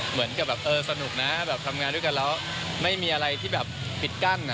เหมือนกับแบบเออสนุกนะแบบทำงานด้วยกันแล้วไม่มีอะไรที่แบบปิดกั้น